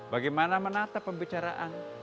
bagaimana menata pembicaraan